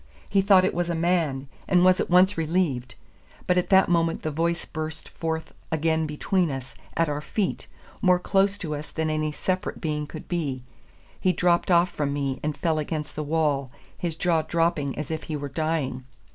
He thought it was a man, and was at once relieved. But at that moment the voice burst forth again between us, at our feet, more close to us than any separate being could be. He dropped off from me, and fell against the wall, his jaw dropping as if he were dying.